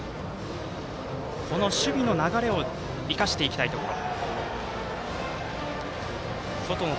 守備の流れを生かしていきたいところ。